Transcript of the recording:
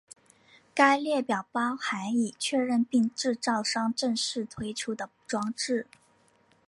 该列表包含已确认并制造商正式推出的装置。